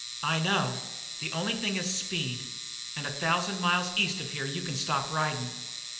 I know! The only thing is speed and a thousand miles east of here you can stop ridin'."